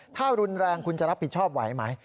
ถ้ารุนแรงคุณจะรับผิดชอบไหวไหม